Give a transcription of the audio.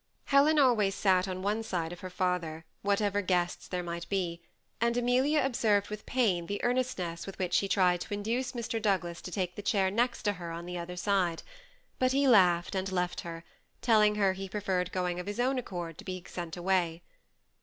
. Helen always sat on one side of her father, whatever guests there might be ; and Amelia observed with pain the earnestness with which she tried to induce Mr. Doug las to take the chair next to her on the other side ; but he laughed and left her, telling her he preferred going of his own accord to being sent away.